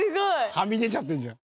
はみ出ちゃってるじゃん。